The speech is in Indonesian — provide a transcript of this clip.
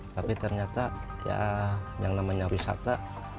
tapi ternyata ya yang namanya wisata